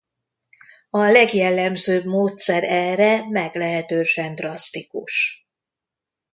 A legjellemzőbb módszer erre meglehetősen drasztikus.